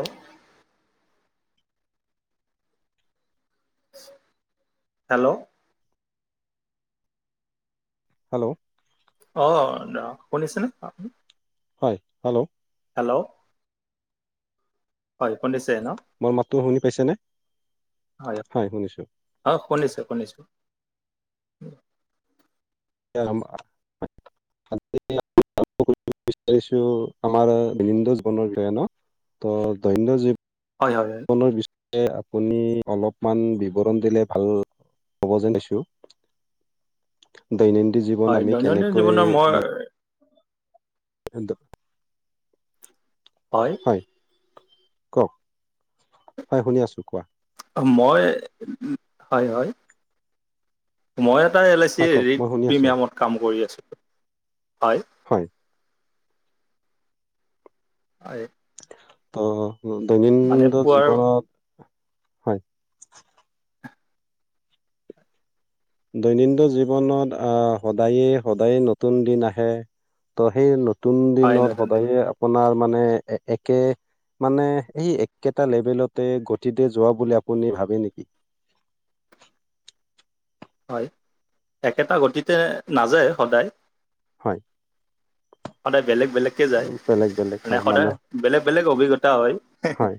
আহ [unintelligible] hello hello আহ দ শুনিছেনে হয় হেল্ল' হেল্ল' হয় পণ্ডিত [unintelligible] মই মাততো শুনি পাইছেনে? হয় অ শুনিছোঁ -শুনিছোঁ। উম [unintelligible] বিচাৰিছো আমাৰ বিনন্দ জীৱনৰ কণ ত ধন জীৱ [unintelligible] হয় হয় হয়। আপুনি অলপমান বিৱৰণ দিলে ভাল হ'ব যেন পাইছো [unintelligible] দৈনন্দিন জীৱন হয় আমি দৈনন্দিন কেনেকৈ জীৱনৰ মই মানে। [inaudible] হয়। কওক হয় শুনি আছো কোৱা। মই হয় হয় মই [unintelligible] এটা এল আই চি হয় কওক ৰেট মই শুনি আছোঁ প্ৰিমিয়ামত কাম কৰি আছিলো হয়। হয়। ত মানে দৈনন্দিন পুৱাৰ জীৱনত হয়। দৈনন্দিন জীৱনত আহ সদায়ে সদায়ে নতুন দিন আহে। ত সেই নতুন হয় দিনত নতুন দিনে সদায়ে আপোনাৰ মানে একে। মানে সেই একেটা লেভেলতে গতিতে যোৱা বুলি আপুনি ভাবে নেকি? [unintelligible] হয় একেটা গতিতে নাযায় সদায়। হয় সদায় বেলেগ বেলেগকে যায়, উম, বেলেগ বেলেগ মানে হয় সদায় মানুহ বেলেগ বেলেগ অভিজ্ঞতা হয়। হয়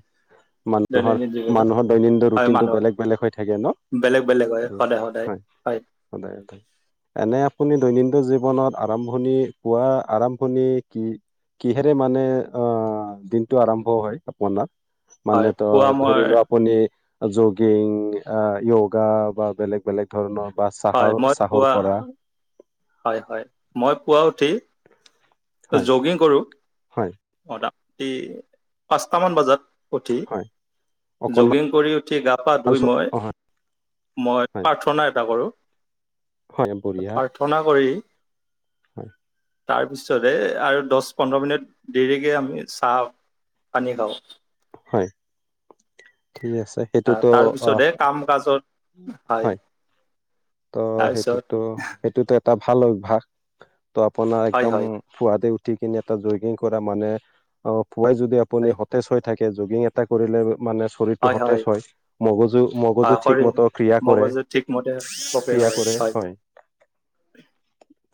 মানুহৰ দৈনন্দিন জীৱনত মানুহৰ দৈনন্দিন হয় ৰুটিনটো মানুহৰ বেলেগ বেলেগ হৈ থাকে ন। বেলেগ বেলেগ হয় সদায় সদায় হয়। সদায় সদায় এনে আপুনি দৈন কিন্তু জীৱনত আৰম্ভণি পোৱা আৰম্ভণি কি। কিহেৰে মানে অ দিনটো আৰম্ভ হয়। আপোনাৰ মানে হয় তো পুৱা মই ধৰিলোৱা আপুনি। জগিং য়োগা বা বেলেগ বেলেগ ধৰণৰ বা হয়, চাহৰ মই চাহৰ পুৱা পৰা হয় হয়, মই পুৱাই উঠি। হয় জগিং কৰো হয় পাঁচটামান বজাত। উঠি হয় অকনমান জগিং কৰি উঠি গা পা ধুই মই। অ হয় মই হয় প্ৰাৰ্থনা এটা কৰোঁ। হয় বঢ়িয়া। প্ৰাৰ্থনা কৰি হয় তাৰপিছতে আৰু দহ পোন্ধৰ মিনিট দেৰিকে আমি চাহ পানী খাওঁ হয় ঠিক আছে আহ, সেইটোতো আহ তাৰপিছতহে কাম কাজত হয় ত' তাৰপিছত সেইটোতো সেইটোতো এটা ভাল অভ্যাস। ত আপোনাৰ হয়, একদম হয়, পুৱাদ উঠি কিনে এটা জগিং কৰা মানে অ খুৱাই যদি আপুনি হয়, হয়, সতেজ হৈ থাকে জগিং এটা কৰিলে মানে শৰীৰটো সতেজ হয় মগজু মগজু শৰীৰ ঠিকমত ক্ৰিয়া কৰে মগজু ঠিকমতে প্ৰক্ৰিয়া ক্ৰিয়া কৰে হয়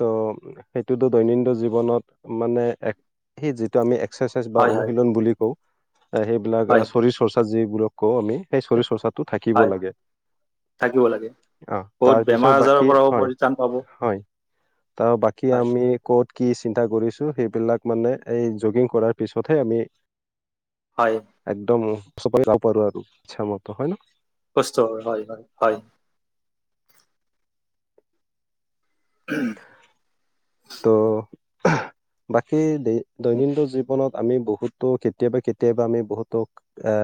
ত' সেইটোতো দৈনন্দিন জীৱনত মানে এক সি যিটো আমি, এক্সাৰচাইজ বা হয়, হয়, অনুশীলন বুলি কও সেইবিলাক হয়, শৰীৰ চৰ্চাত যিবিলাক কওঁ আমি সেই শৰীৰ চৰ্চাত টো থাকিব হয়, লাগে থাকিব লাগে। অ বহুত বেমাৰ তাৰপিছত আজাৰৰ বাকী পৰাও হয় পৰিত্ৰাণ পাব। হয় তাৰ বাকী হয়। আমি কত কি চিন্তা কৰিছো সেইবিলাক মানে এই জগিং কৰাৰ পিছতহে আমি হয়, একদম চবাই যাব পাৰো আৰু ইচ্ছা মত হয় ন কষ্ট হয়। হয় হয় হয়। তো বাকী উম, দৈনন্দিন জীৱনত আমি বহুতো কেতিয়াবা কেতিয়াবা আমি বহুতো এ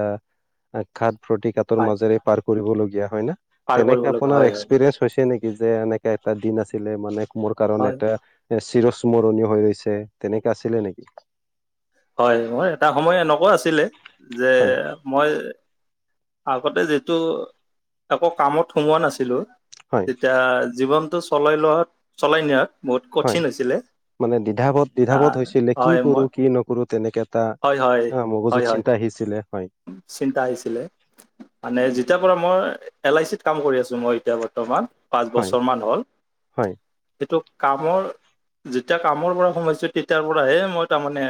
ঘাট প্ৰতিঘাতৰ হয়, মাজেৰে পাৰ কৰিবলগীয়া হয় ন পাৰ কৰিব তেনেকে লগা আপোনাৰ হয়, হয়, এক্সপিৰিয়েন্ঞ্চ হৈছে নে? যে এনেকে এটা দিন আছিলে মানে মোৰ কাৰণ হয়, এটা চিৰস্মৰণীয় হৈ ৰৈছে তেনেকা আছিলে নেকি? হয় মোৰ এটা সময় এনেকুৱা আছিলে যে হয় মই আগতে যিটো আকৌ কামত সোমোৱা নাছিলো। হয় তেতিয়া জীৱনতটো চলাই লোৱাত চলাই নিয়াত বহুত হয় কঠিন হৈছিলে। মানে দিধাৱত দিধাৱত আহ, হৈছিলে কি হয়, কৰো মই কি নকৰো তেনেকে এটা হয়, হয়, অ মগজুত হয়, হয়, চিন্তা আহিছিলে হয় চিন্তা আহিছিলে মানে যেতিয়াৰ পৰা মই এল আই চিত কাম কৰি আছো মই এতিয়া বৰ্তমান পাঁচ হয় বছৰ মান হ'ল হয় ্ কামৰ যেতিয়া কামৰ পৰা সোমাইছো তেতিয়াৰ পৰাহে মই তাৰমানে,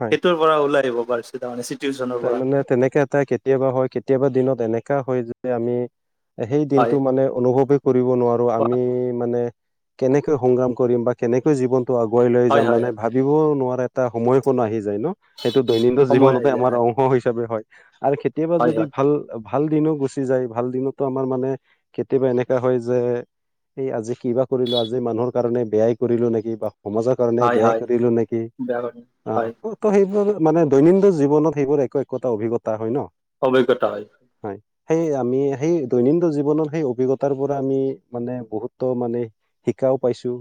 হয় সেইটোৰ পৰা ওলাই আহিব পাৰিছে তাৰমানে চিটুৱেশ্যনৰ পৰা তাৰমানে তেনেকে এটা কেতিয়াবা হয় কেতিয়াবা দিনত এনেকা হয় যে আমি সেই হয় দিনটো মানে অনুভৱেই কৰিব নোৱাৰো। আমি মানে কেনেকৈ সংগ্ৰাম কৰিম বা কেনেকৈ জীৱনতটো আগুৱাই লৈ হয় যাম হয় মানে হয় ভাবিবও নোৱাৰো। এটা সময় কোন আহি যায় ন, সেইটো দৈনন্দিন সময় জীৱনতে আহি যায় আমাৰ হয় অংশ হিচাপে হয়। আৰু কেতিয়াবা হয় যদি হয় ভাল ভাল দিনো গুচি যায়। ভাল দিনতো আমাৰ মানে কেতিয়াবা এনেকা হয় যে, এই আজি কিবা কৰিলো আজি মানুহৰ কাৰণে বেয়াই কৰিলো নেকি বা সমাজৰ কাৰণে হয় বেয়াই হয় কৰিলো নেকি বেয়া অ কথা। হয় ত সেইবোৰ মানে দৈনন্দিন জীৱনত সেইবোৰ একো একোটা অভিজ্ঞতা হয় ন। অভিজ্ঞতা হয়। হয় সেই আমি সেই দৈনন্দিন জীৱনৰত সেই অভিজ্ঞতাৰ পৰা আমি মানে বহুতো মানে শিকাও পাইছোঁ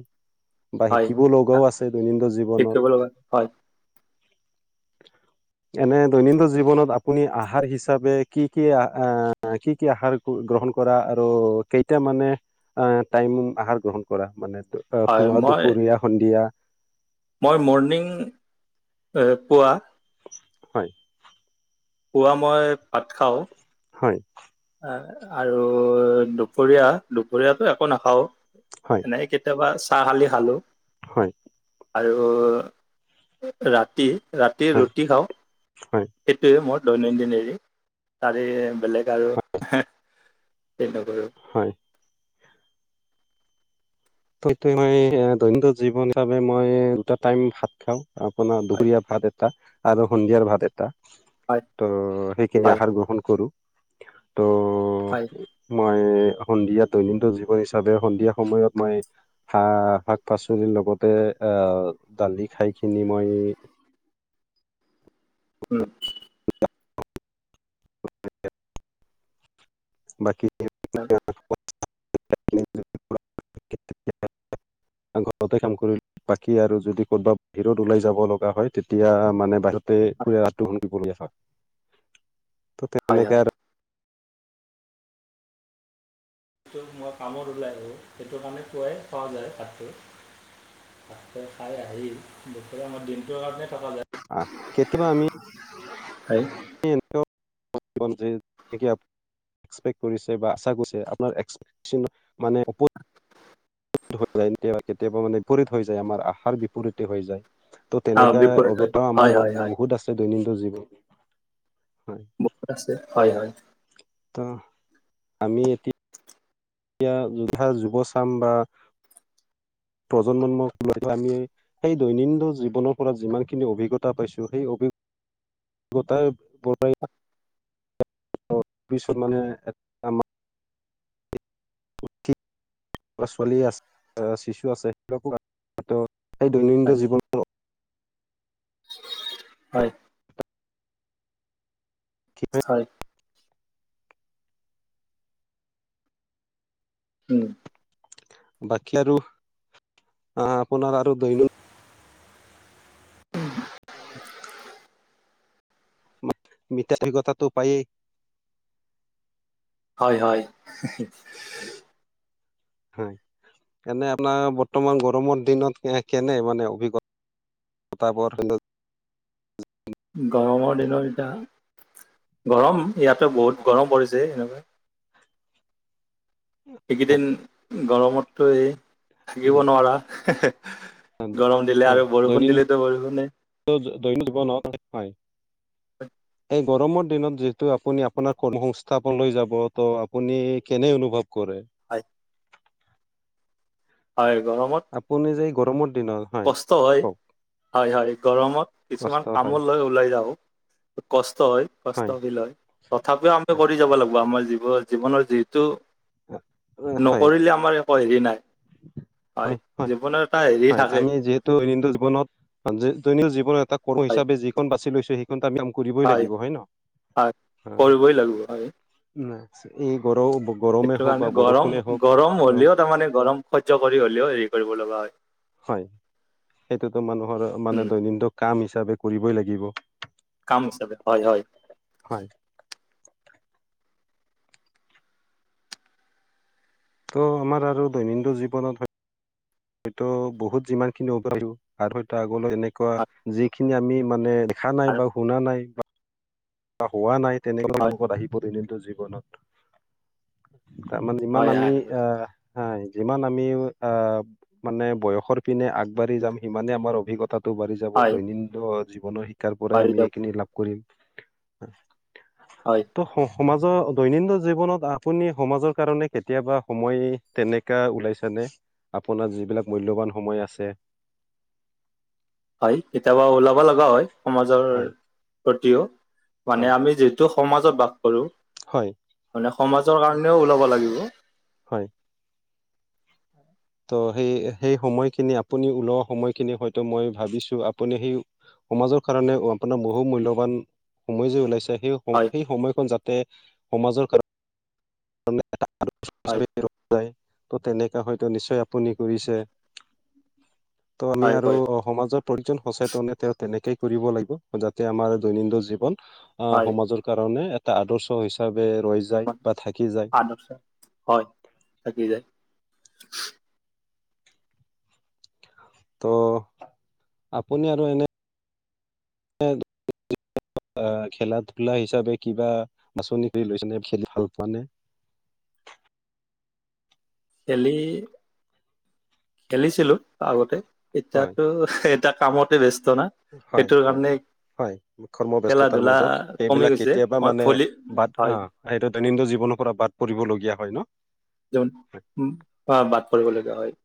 বা হয় শিকিব শিক্ষা, লগাও আছে দৈনন্দিন ঠিক জীৱনত কৰিব লগা হয় এনে দৈনন্দিন জীৱনত আপুনি আহাৰ হিচাপে কি কি আহ কি কি আহাৰ গ্ৰহণ, আৰু কেইটা মানে টাইম আহাৰ গ্ৰহণ কৰা মানে হয় পুৱা মই দুপৰীয়া সন্ধিয়া মই মৰ্ণিং পুৱা হয় পুৱা মই ভাত খাও হয়। আৰু দুপৰীয়া দুপৰীয়াটো একো নাখাওৱে হয় এনে কেতিয়াবা চাহ কালি খালোঁ হয় আৰু ৰাতি ৰাতি হয় ৰুটি খাওঁ হয় সেইটোৱে মোৰ দৈনন্দিন সেৰি তাৰে বেলেগ আৰু তে নকৰো হয় স মই দৈনন্দিন জীৱন হিচাপে মই দুটা টাইম ভাত খাও আপোনাৰ হয় দুপৰীয়াৰ ভাত এটা আৰু সন্ধিয়াৰ ভাত এটা হয় ত সেইখিনি হয় আহাৰ গ্ৰহণ কৰো ত' হয়। মই সন্ধিয়া দৈনন্দিন জীৱন হিচাপে সন্ধিয়া সময়ত মই, শাক পাচলিৰ লগতে আহ দালি খাইকিনি মই উম। অ বাকী হয় [unintelligible] ঘৰতে কাম কৰি বাকী আৰু যদি কৰ'বাত বাহিৰত ওলাই যাব লগা হয়, তেতিয়া মানে বাহিৰত হয় পুৰা ৰাতিটো খুন্দি পৰি আছা। ত হয় তেনেকে হয়। আৰু যিটো মই কামত ওলাই আহোঁ সেইটো কাৰণে খোৱাই খোৱা যায় ভাতটো ভাতকে খাই আহি দুখৰে আমাৰ দিনটো কাৰণে থকা যায়। আ কেতিয়াবা আমি হয় [inaudible] এক্সপেক্ট কৰিছে বা আশা কৰিছে আপোনাৰ এক্সপেচন মানে হৈ যায় কেতিয়াবা কেতিয়াবা মানে বিপৰীত হৈ যায়, আমাৰ আহাৰ বিপৰীতে হৈ যায়। ত' আহ তেনেকা বিপৰীত হয় আগতেও হয় আমাৰ হয় হয় বহুত আছে দৈনন্দিন জীৱন হয়। বহুত আছে হয় হয় ত' আমি এতিয়া এতিয়া ধৰা যুৱচাম বা প্ৰজন্মমক আমি সেই দৈনন্দিন জীৱনৰ পৰা যিমান খিনি অভিজ্ঞতা পাইছো, সেই অভি - দ্য তাৰ পৰাই ত পিছত মানে ছোৱালী আছে শিশু আছে সেইবিলাকো আছে ত হয় দৈনন্দিন জীৱনৰ হয় হয় উম বাকী আৰু আপোনাৰ আৰু দৈনন্দিন ম [unintelligible] মৃতা অভিজ্ঞতাটো পায়েই হয় হয় হয় এনে আপোনাৰ বৰ্তমান গৰমৰ দিনত কেনে মানে অভিজ্ঞতা ত তাৰপৰা কিন্তু গৰমৰ দিনত এতিয়া, গৰম ইয়াতে বহুত গৰম পৰিছে এনেকৈ এইকেইদিন গৰমতো এই থাকিব নোৱাৰা। গৰম দিলে হয় আৰু বৰষুণ দিলেতো বৰষুণে দৈনন্দিন জীৱনত হয়। এক গৰমৰ দিনত যিহেতু আপুনি আপোনাৰ কৰ্মসংস্থাপনলৈ যাব, ত' আপুনি কেনে অনুভৱ- কৰে হয় হয়। গৰমত আপুনি যে এই গৰমৰ দিনত, হয় কষ্ট হয় কওক। হয় হয় গৰমত কিছুমান কষ্ট হয় কামত লৈ ওলাই যাওঁ। কষ্ট হয় কষ্টশিল হয় তথাপিও আমি হয় কৰি যাব লাগিব আমাৰ জ জীৱনৰ যিটো হয় নকৰিলে আমাৰ একো হেৰি নাই। হয়। জীৱনৰ এটা হেৰি হয় থাকে, আমি যিহেতু দৈনন্দিন জীৱনত দৈনন্দিন জীৱনৰ এটা কৰো হয় হিচাপে যিখন বাচি লৈছো সেই কিন্তু আমি কাম কৰিবই লাগিব হয় ন [unintelligible] হয় কৰিবই লাগিব হয়। উ এই গৰম সেইটো কাৰণে গৰম গৰম হলেও তাৰমানে, গৰম সহ্য কৰি হ'লেও হেৰি কৰিব লগা হয়। হয়। সেইটোতো মানুহৰ মানে উম দৈনন্দিন কাম হিচাপে কৰিবই লাগিব। কাম হিচাপে হয় হয়। হয় ত' আমাৰ আৰু দৈনন্দিন জীৱনত হয়। হয়তো বহুত যিমান খিনি অব আৰু হয়তো আগলৈ এনেকুৱা হয় যিখিনি আমি মানে [unintelligible] শ খ নাই আৰু বা হুন নাই [unintelligible] হোৱা নাই তেনেকা হয় মোকত আহিব দনিনটো জীৱনত তাৰমানে ইমান হয় আমি হয় আহ। হ যিমান আমি আহ মানে বয়সৰ পিনে আগবাঢ়ি যাম সিমানে আমাৰ অভিজ্ঞতা বাঢ়ি যাব হয় দৈনন্দিন জীৱনৰ শিকাৰ পৰাই পাৰি আমি দিয়ক এইেইখিনি লাভ কৰিম। হয় ত সমাজৰ দৈনন্দিন জীৱনত আপুনি সমাজৰ কাৰণে কেতিয়াবা সময় তেনেকা ওলাইছেনে। আপোনাৰ যিবিলাক মূল্যবান সময় আছে হয় কেতিয়াবা ওলাব লগা হয় সমাজৰ হয় প্ৰতিও মানে হয় আমি যিহেতু সমাজত বাস কৰো হয় মানে সমাজৰ কাৰণেও ওলাব লাগিব। হয়। ত' সেই সেই সময়খিনি আপুনি ওলোৱা সময়খিনি হয়তো মই ভাবিছো আপুনি সেই সমাজৰ কাৰণে আপোনাৰ বহু মূল্যবান সময় যে ওলাইছে সেই সময় হয় সেই সময়খন যাতে সমাজৰ কাৰণ হয় চাপে যায় [unintelligible] ত' তেনেকা হয়তো নিশ্চয় আপুনি কৰিছে? ত' আমি হয় আৰু হয় সমাজৰ প্ৰতিজন সচেতনে তেওঁ তেনেকে কৰিব লাগিব যাতে আমাৰ দৈনন্দিন জীৱন আহ হয় সমাজৰ কাৰণে এটা আদৰ্শ হিচাপে ৰয়জাই বা থাই আ হয় থাকি যায়। ত' আপুনি আৰু এনে [unintelligible] খেলা ধূলা হিচাপে কিবা বাছনি কৰি লৈছেনে খেলি ভাল পোৱা নে? [inaudible] খেলি খেলিছিলো আগতে হয় এতিয়াতো কামতে ব্যস্তা ন হয় ইটোৰ হয় কাৰণে হয় কৰ্ম খেলা ব্যস্ততাৰ ধূলা মাজত কমি এইবিলাক গৈছে কেতিয়াবা মই মানে ভলী বাদ হয় আহ সটো দৈনন্দিন জীৱন। [unintelligible] বাদ পৰিবলগীয়া হয়। ন যে বাট পৰিব লগা হয়।